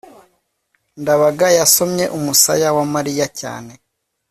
ndabaga yasomye umusaya wa mariya cyane